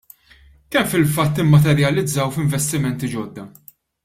Kemm fil-fatt immaterjalizzaw f'investimenti ġodda?